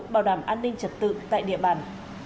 bảo đảm an ninh trật tự tại địa bàn